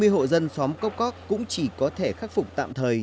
hai mươi hộ dân xóm cốc cóc cũng chỉ có thể khắc phục tạm thời